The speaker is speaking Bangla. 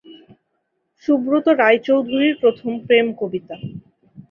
সুব্রত রায়চৌধুরীর প্রথম প্রেম কবিতা।